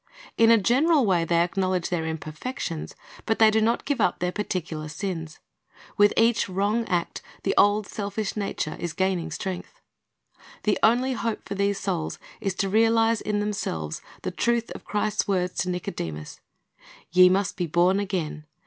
In a general way they acknowledge their imperfections, but they do not give up their particular sins. With each wrong act the old selfish nature is gaining strength. The only hope for these souls is to realize in themselves the truth of Christ's words to Nicodemus, "Ye must be born again."